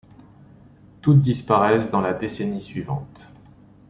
Toutes disparaissent dans la décennie suivante.